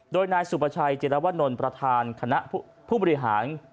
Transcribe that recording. โดยนายสุประชัยจิรวนลประธานคณะผู้บริหาร